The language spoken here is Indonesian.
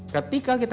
ketika kita berkata